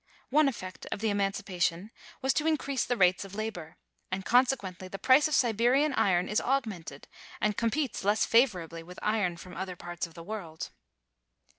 One effect of emancipation was to increase the rates of labor, and, consequently, the price of Siberian iron is aug mented, and competes less favorably with iron from other parts of the world.